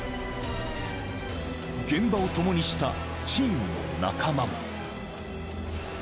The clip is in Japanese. ［現場を共にしたチームの仲間も］